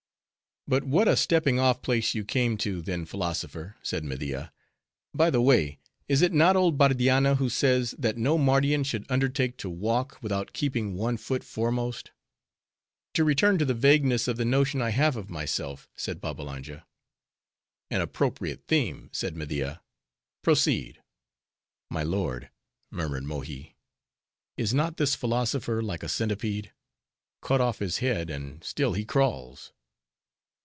"But what a stepping off place you came to then, philosopher," said Media. "By the way, is it not old Bardianna who says, that no Mardian should undertake to walk, without keeping one foot foremost?" "To return to the vagueness of the notion I have of myself," said Babbalanja. "An appropriate theme," said Media, "proceed." "My lord," murmured Mohi, "Is not this philosopher like a centipede? Cut off his head, and still he crawls."